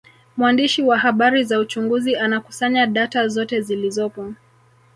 Mwandishi wa habari za uchunguzi anakusanya data zote zilizopo